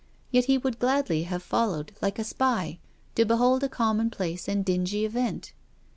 Yet he would gladly have followed, like a spy, to behold a commonplace and dingy event.